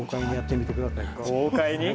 豪快に。